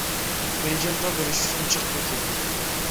بېيجىڭغا بېرىش ئۈچۈن جىق پۇل كېتىدۇ.